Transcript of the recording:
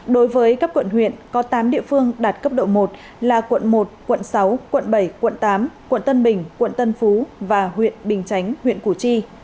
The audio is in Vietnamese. đối với các quận huyện có tám địa phương đạt cấp độ một là quận một quận sáu quận bảy quận tám quận tân bình quận tân phú và huyện bình chánh huyện củ chi